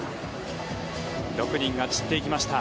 ６人が散っていきました。